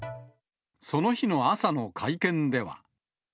その日の朝の会見では。